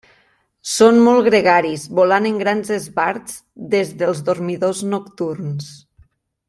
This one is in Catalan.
Són molt gregaris, volant en grans esbarts des dels dormidors nocturns.